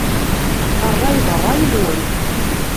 Ṛṛay d ṛṛay-nwent.